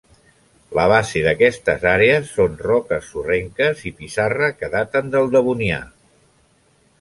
La base d'aquestes àrees són roques sorrenques i pissarra que daten del Devonià.